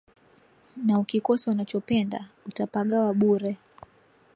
Na ukikosa unachopenda, utapagawa bure